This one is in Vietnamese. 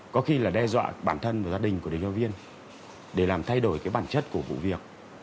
có khi là đe dọa bản thân và gia đình của điều tra viên để làm thay đổi cái bản chất của vụ việc